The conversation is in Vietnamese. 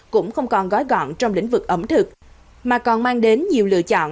cũng không còn gói gọn trong lĩnh vực ẩm thực mà còn mang đến nhiều lựa chọn